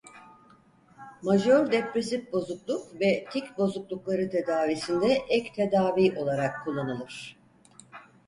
Majör depresif bozukluk ve tik bozuklukları tedavisinde ek tedavi olarak kullanılır.